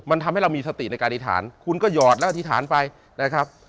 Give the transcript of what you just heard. มันทำให้เรามีสติในการอธิษฐานคุณก็หยอดและอธิษฐานไปนะครับ